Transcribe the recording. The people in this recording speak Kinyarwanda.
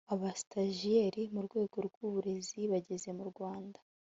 abastajiyeri mu rwego rw'uburezi bageze mu rwanda